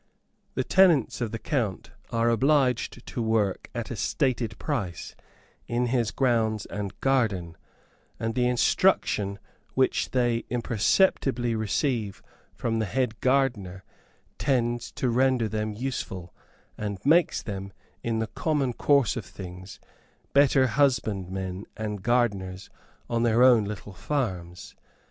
The tenants of the count are obliged to work at a stated price, in his grounds and garden; and the instruction which they imperceptibly receive from the head gardener tends to render them useful, and makes them, in the common course of things, better husbandmen and gardeners on their own little farms.